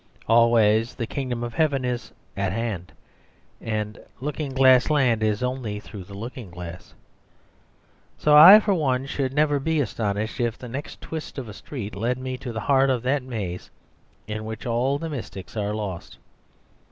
Always the Kingdom of Heaven is "At Hand"; and Looking glass Land is only through the looking glass. So I for one should never be astonished if the next twist of a street led me to the heart of that maze in which all the mystics are lost.